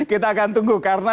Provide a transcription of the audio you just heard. kita akan tunggu karena